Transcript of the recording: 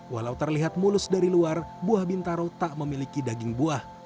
walau terlihat mulus dari luar buah bintaro tak memiliki daging buah